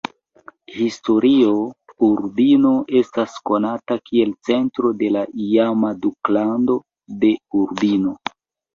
Historie, Urbino estas konata kiel centro de la iama duklando de Urbino.